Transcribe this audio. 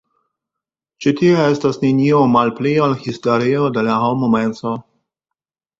Ĉi tio estis nenio malpli ol historio de la homa menso.